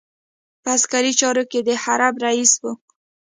په عسکري چارو کې د حرب رئیس وو.